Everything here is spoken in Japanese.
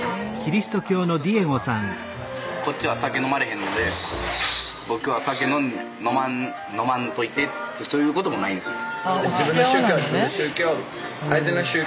例えばこっちは酒飲まれへんので僕は酒飲まんといてってそういうこともないんですよ。